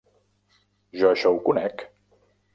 Jo això ho conec!…